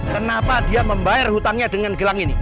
kenapa dia membayar hutangnya dengan gelang ini